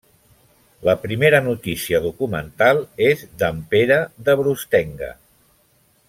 La primera notícia documental és d'en Pere de Brustenga.